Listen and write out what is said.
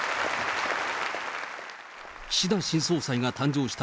岸田新総裁が誕生した